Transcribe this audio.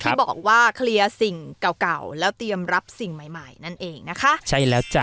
ที่บอกว่าเคลียร์สิ่งเก่าเก่าแล้วเตรียมรับสิ่งใหม่ใหม่นั่นเองนะคะใช่แล้วจ้ะ